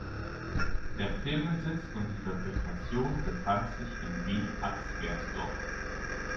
Der Firmensitz und die Fabrikation befand sich in Wien, Atzgersdorf.